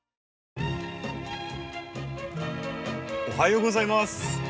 おはようございます。